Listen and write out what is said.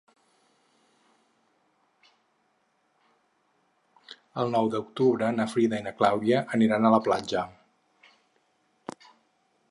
El nou d'octubre na Frida i na Clàudia aniran a la platja.